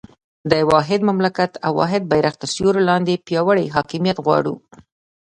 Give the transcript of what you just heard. د واحد مملکت او واحد بېرغ تر سیوري لاندې پیاوړی حاکمیت غواړو.